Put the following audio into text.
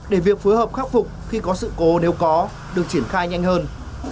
để việc phối hợp khắc phục khi có sự cố nếu có được triển khai nhanh hơn